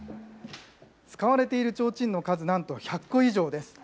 使われているちょうちんの数、なんと１００個以上です。